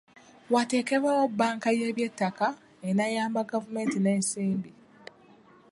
Wateekebwewo bbanka y’eby'ettaka enaayambako gavumenti n’ensimbi.